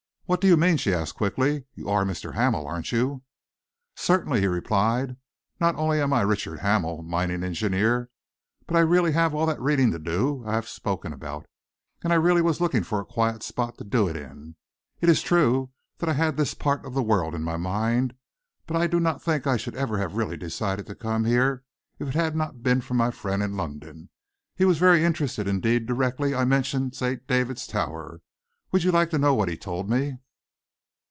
"What do you mean?" she asked quickly. "You are Mr. Hamel, aren't you?" "Certainly," he replied. "Not only am I Richard Hamel, mining engineer, but I really have all that reading to do I have spoken about, and I really was looking for a quiet spot to do it in. It is true that I had this part of the world in my mind, but I do not think that I should ever have really decided to come here if it had not been for my friend in London. He was very interested indeed directly I mentioned St. David's Tower. Would you like to know what he told me?"